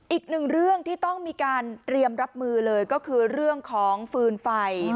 อีกหนึ่งเรื่องที่ต้องมีการเตรียมรับมือเลยก็คือเรื่องของฟืนไฟ